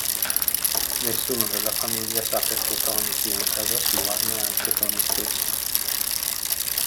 Nessuno della famiglia sa perché Tony sia in casa sua, neanche Tony stesso.